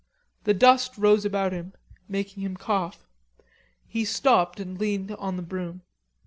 The dust rose about him, making him cough. He stopped and leaned on the broom.